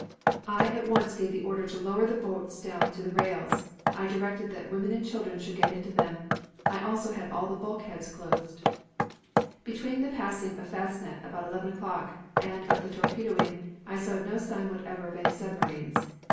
"I at once gave the order to lower the boats down to the rails, and I directed that women and children should get into them. I also had all the bulkheads closed. "Between the time of passing Fastnet, about 11 o'clock, and of the torpedoing I saw no sign whatever of any submarines.